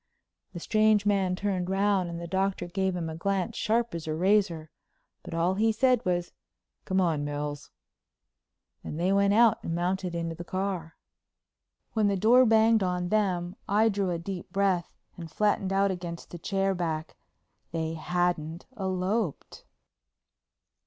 The strange man turned round, and the Doctor gave him a glance sharp as a razor, but all he said was: "Come on, Mills," and they went out and mounted into the car. When the door banged on them I drew a deep breath and flattened out against the chair back. They hadn't eloped!